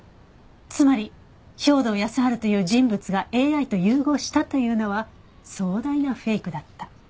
つまり兵働耕春という人物がＡＩと融合したというのは壮大なフェイクだった。